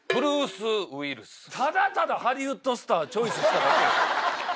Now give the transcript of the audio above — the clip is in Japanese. ただただハリウッドスターチョイスしただけやん。